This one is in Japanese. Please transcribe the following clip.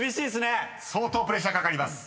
相当プレッシャーかかります］